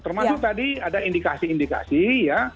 termasuk tadi ada indikasi indikasi ya